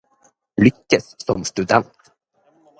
Lykkes som student